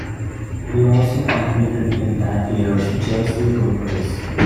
He also competed in that year's Jersey Road Race.